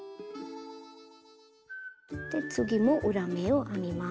で次も裏目を編みます。